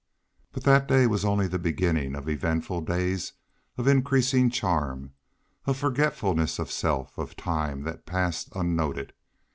But that day was only the beginning of eventful days, of increasing charm, of forgetfulness of self, of time that passed unnoted.